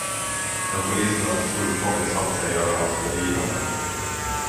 Men polisen hade fullkomligt satt sig över hans bedyranden.